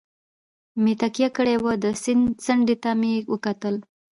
مې تکیه کړې وه، د سیند څنډې ته مې وکتل.